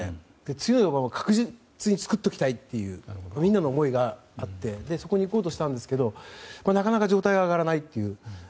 強い４番を確実に作っておきたいそういうみんなの思いがあってそこにいこうとしたんですけどなかなか状態が上がらないという。